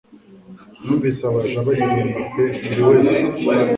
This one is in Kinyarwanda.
Nunvise abaja baririmba pe buriwese.